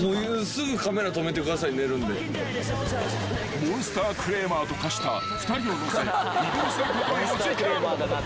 ［モンスタークレーマーと化した２人を乗せ移動すること４時間］